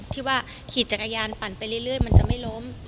ที่ว่าขี่จักรยานปั่นไปเรื่อยมันจะไม่ล้ม